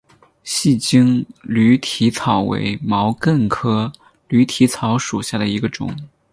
细茎驴蹄草为毛茛科驴蹄草属下的一个种。